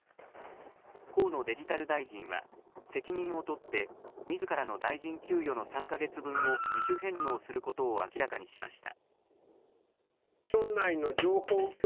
河野デジタル大臣は、責任を取って、みずからの大臣給与の３か月分を自主返納することを明らかにしました。